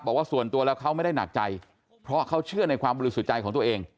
บอกว่าส่วนตัวแล้วเขาไม่ได้หนักใจเพราะเขาเชื่อในความบริสุทธิ์ใจของตัวเอง